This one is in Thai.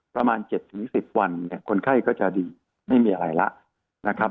ประมาณ๗๑๐วันคนไข้ก็จะดีไม่มีอะไรแล้ว